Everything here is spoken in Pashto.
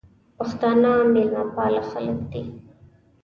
پښتانه مېلمه پاله خلګ دي.